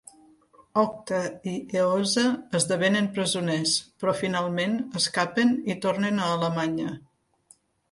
Octa i Eosa esdevenen presoners, però finalment escapen i tornen a Alemanya.